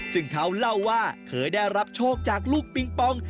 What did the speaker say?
ซึ่งเขาเล่าว่าเคยได้รับโชคจากลูกปิงปอง